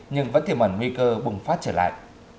nhưng vẫn tiềm ẩn nguy cơ bùng phát trở lại